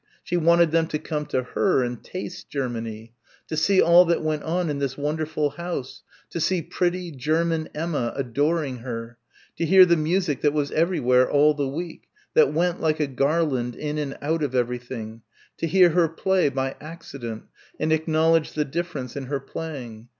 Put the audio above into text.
She wanted them to come to her and taste Germany to see all that went on in this wonderful house, to see pretty, German Emma, adoring her to hear the music that was everywhere all the week, that went, like a garland, in and out of everything, to hear her play, by accident, and acknowledge the difference in her playing.